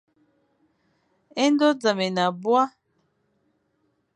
É ndo zam é ne abua.